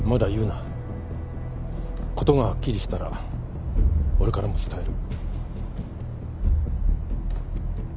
事がはっきりしたら俺からも伝える。